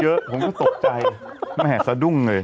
อยู่ดีก็ช้างเยอะผมก็ตกใจแม่ซะดุ้งเลย